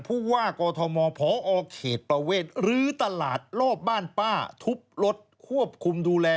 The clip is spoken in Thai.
ผู้ว่ากอทมพอเขตประเวทรื้อตลาดรอบบ้านป้าทุบรถควบคุมดูแล